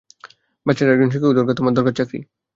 বাচ্চাটার একজন শিক্ষক দরকার, তোমার দরকার চাকরি।